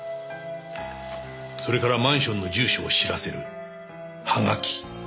それからマンションの住所を知らせるハガキ。